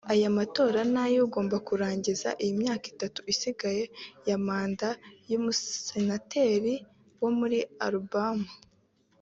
Aya matora ni ay’ugomba kurangiza imyaka itatu isigaye ya manda y’umusenateri wo muri Alabama